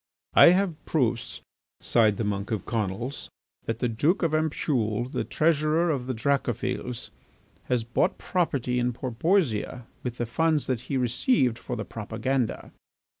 "I have proofs," sighed the monk of Conils, "that the Duke of Ampoule, the treasurer of the Dracophils, has brought property in Porpoisia with the funds that he received for the propaganda."